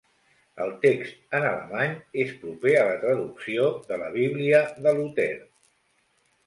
El text en alemany és proper a la traducció de la Bíblia de Luter.